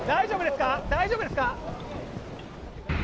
大丈夫ですか？